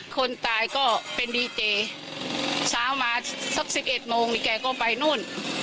คนตายก็เป็นดีเจเช้ามาสัก๑๑โมงนี่แกก็ไปนู่น